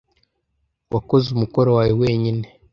Wakoze umukoro wawe wenyine?